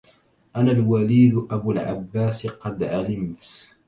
أنا الوليد أبو العباس قد علمت